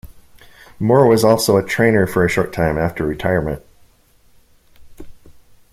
Moore was also a trainer for a short time after retirement.